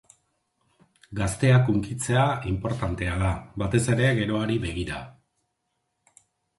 Gazteak hunkitzea inportantea da, batez ere geroari begira.